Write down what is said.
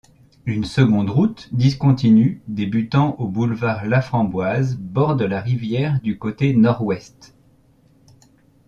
Une seconde route discontinue débutant au boulevard Laframboise borde la rivière du côté nord-ouest.